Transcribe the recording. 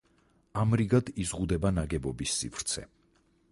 ამრიგად იზღუდება ნაგებობის სივრცე.